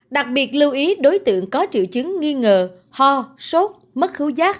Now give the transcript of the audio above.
đặc biệt lưu ý đối tượng có triệu chứng nghi ngờ ho sốt mất hữu giá